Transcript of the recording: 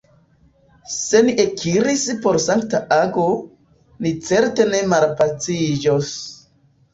Se ni ekiris por sankta ago, ni certe ne malpaciĝos!